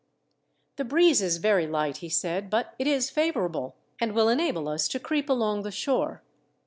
"The breeze is very light," he said; "but it is favourable, and will enable us to creep along the shore.